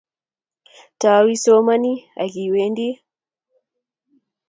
Tau isomani akiwendii